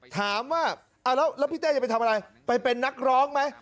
ถามว่าแล้วพี่เต้จะไปทำอะไรไปเป็นนักร้องไหม